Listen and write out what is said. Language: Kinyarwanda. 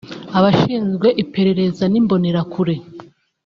abashinzwe iperereza n’Imbonerakure